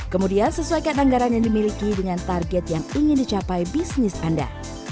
kemudian sesuaikan anggaran yang dimiliki dengan target yang ingin dicapai bisnis anda